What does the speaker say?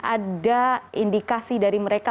ada indikasi dari mereka